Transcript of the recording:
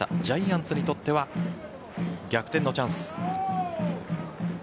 ジャイアンツにとっては逆転のチャンス。